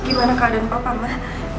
gimana keadaan papa mah